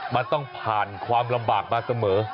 มันต้องผ่านความลำบากมาเสมอ